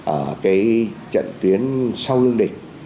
ở cái trận tuyến sau lưng địch